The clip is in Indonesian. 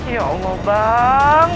ya allah bang